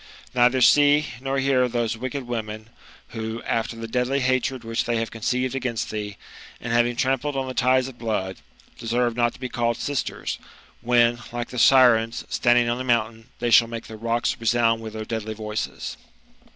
Neither see, nor hear those wicked women, who, after the deadly hatred which they have conceived against thee, and having trampled on the ties of blood, deserve not to be called sisters^ when, like the Sirens, standing on the mountain, they shall make the rocks resound with their deadlv voices."